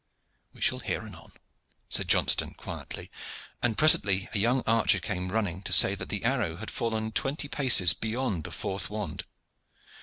"We shall hear anon," said Johnston quietly, and presently a young archer came running to say that the arrow had fallen twenty paces beyond the fourth wand.